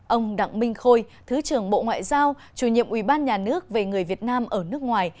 ông đặng minh khôi thứ trưởng bộ ngoại giao chủ nhiệm ubnd về người việt nam ở nước ngoài